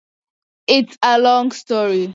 It's a long story.